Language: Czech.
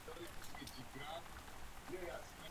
Obsahuje též koncové a vnitřní opakované sekvence.